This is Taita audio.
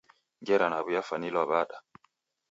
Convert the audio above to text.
Ngera naw'iafwanilwa wada?